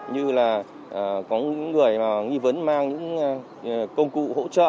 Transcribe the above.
như là có người nghi vấn mang những công cụ hỗ trợ